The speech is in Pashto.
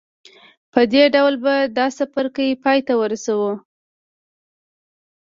په دې ډول به دا څپرکی پای ته ورسوو